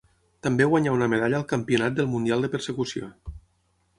També guanyà una medalla al Campionat del mundial de Persecució.